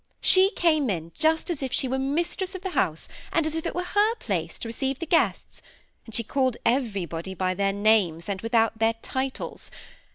She came in just as if she were mistress of the house, and as if it were her place to receiye the guests ; and she called everybody by their names, and without their titles.